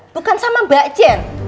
bukan sama mbak jen